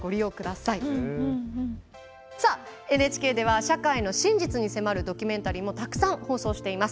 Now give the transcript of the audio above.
さあＮＨＫでは社会の真実に迫るドキュメンタリーもたくさん放送しています。